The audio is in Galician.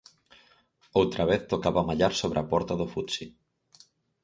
Outra vez tocaba mallar sobre a porta do Futsi.